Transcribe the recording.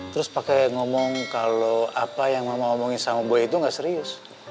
terus pakai ngomong kalau apa yang mama omongin sama boy itu nggak serius